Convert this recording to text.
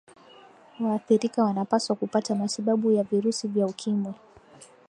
waathirika wanapaswa kupata matibabu ya virusi vya ukimwi